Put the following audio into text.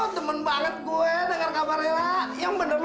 temen banget gue denger kabarnya yang bener